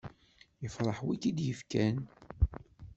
Yefreḥ win i k-id-yefkan.